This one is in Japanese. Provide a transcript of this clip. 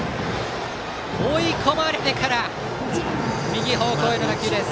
追い込まれてから右方向への打球です。